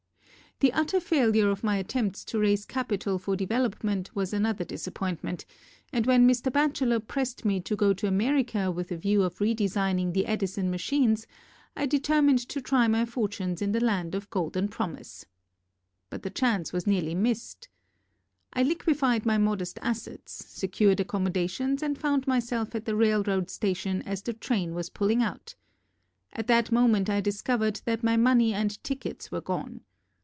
The utter failure of my attempts to raise capital for development was another disappoint ment and when Mr. Batchellor prest me to go to America with a view of redesigning the Edison machines, I determined to try my fortunes in the Land of Golden Prom ise. But the chance was nearly mist. I liquefied my modest assets, secured accom modations and found myself at the railroad station as the train was pulling out. At that moment I discovered that my money and tickets were gone.